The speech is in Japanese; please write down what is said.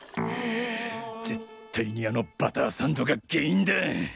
絶対にあのバターサンドが原因だ。